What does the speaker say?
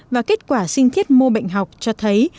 và kết quả sinh thiết mua bệnh học cho thấy